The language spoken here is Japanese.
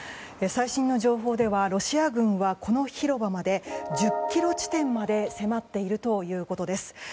最新の情報ではロシア軍は、この広場まで１０ｋｍ地点まで迫っているということです。